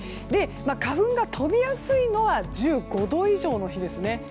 花粉が飛びやすいのは１５度以上の日ですね。